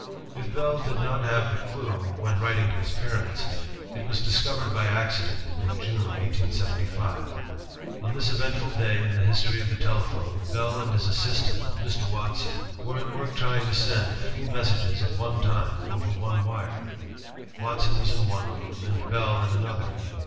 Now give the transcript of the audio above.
If Bell did not have the '^clue," when writing to his parents, it was discovered by accident in June, 1875. O^ this eventful day in the history of the telephone, Bell and his assistant, Mr. Watson, were at work trying to send three messages at one time over one wire. Watson was in one room, and Bell in another.